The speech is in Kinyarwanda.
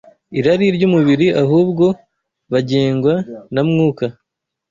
irari ry’umubiri ahubwo bagengwa na Mwuka